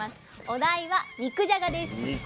お題は肉じゃがです。